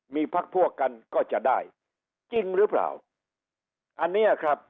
มีพักพวกกันก็จะได้จริงหรือเปล่าอันเนี้ยครับ